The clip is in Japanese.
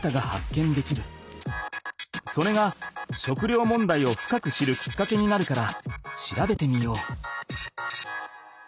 それが食料もんだいを深く知るきっかけになるから調べてみよう。